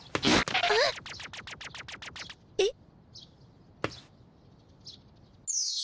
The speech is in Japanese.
えっ？